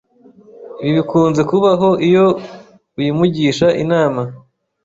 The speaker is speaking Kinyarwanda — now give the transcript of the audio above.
ibi bikunze kubaho iyo uyimugisha inama